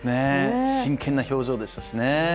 真剣な表情でしたしね。